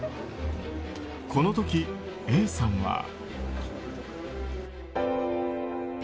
この時、Ａさんは。